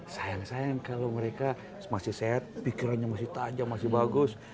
sayang sayang kalau mereka masih sehat pikirannya masih tajam masih bagus